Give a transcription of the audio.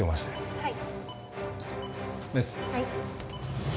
はい。